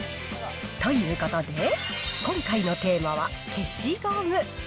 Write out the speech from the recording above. ということで、今回のテーマは、消しゴム。